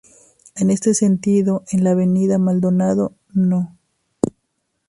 En este sentido en la avenida Maldonado No.